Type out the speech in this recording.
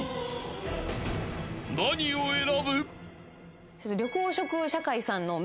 ［何を選ぶ？］